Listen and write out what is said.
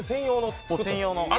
専用の。